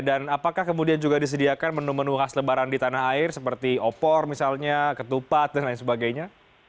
dan apakah kemudian juga disediakan menu menu khas lebaran di tanah air seperti opor ketupat dan lain sebagainya